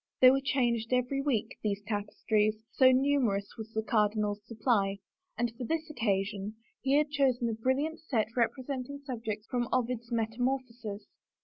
They were changed every week, these tapestries, so numerous was the cardinal's supply, and for this occasion he had chosen a brilliant set rep resenting subjects from Ovid's Metamorphoses.